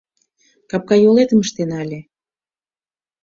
Капкайолетым ыштена ыле.